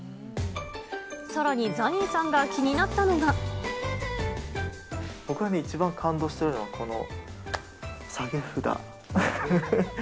さらにザニーさんが気になっ僕はね、一番感動してるのは、この下げ札。